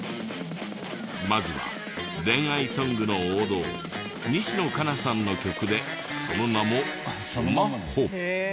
まずは恋愛ソングの王道西野カナさんの曲でその名も『スマホ』。